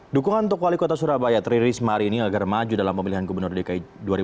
dukungan untuk wali kota surabaya teriris hari ini agar maju dalam pemilihan gubernur dki dua ribu tujuh belas